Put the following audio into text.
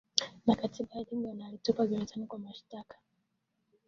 na katiba na Erdogan alitupwa gerezani kwa mashtaka